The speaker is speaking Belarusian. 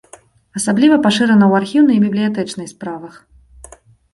Асабліва пашырана ў архіўнай і бібліятэчнай справах.